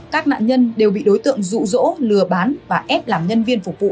các nạn nhân đều bị đối tượng rụ rỗ lừa bán và ép làm nhân viên phục vụ